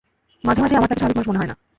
মাঝে মাঝে আমার তাকে স্বাভাবিক মানুষ মনে হয়না।